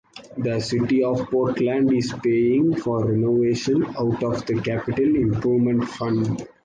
The city of Portland is paying for renovation out of the capital improvement fund.